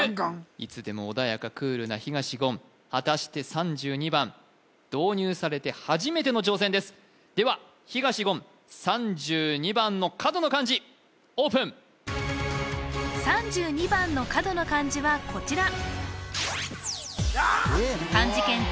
いつでもおだやかクールな東言果たして３２番導入されて初めての挑戦ですでは東言３２番の角の漢字オープン３２番の角の漢字はこちらえっ！